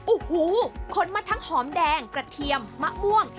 โอ้โหขนมาทั้งหอมแดงกระเทียมมะม่วง